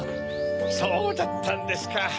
そうだったんですか。